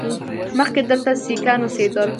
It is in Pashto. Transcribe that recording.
مخکې دلته سیکان اوسېدل